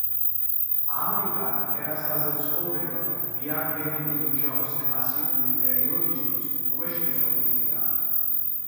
ამრიგად, ტერასაზე ცხოვრება, გვიანდელი ბრინჯაოს კლასიკური პერიოდისთვის, უკვე შეწყვეტილია.